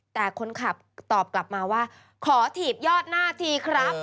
แต่คนขับตอบกลับมาว่าขอถีบยอดหน้าทีครับ